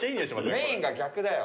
メインが逆だよ。